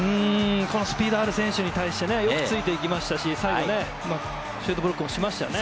このスピードのある選手に対してよく選手ついていきましたし、最後シュートもしましたよね。